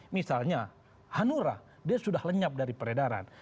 misalnya hanura dia sudah lenyap dari peredaran